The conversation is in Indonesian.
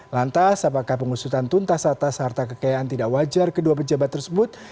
lantas apakah pengusutan tuntas atas harta kekayaan tidak wajar kedua pejabat tersebut